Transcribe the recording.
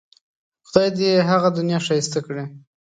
خدای دې یې هغه دنیا ښایسته کړي.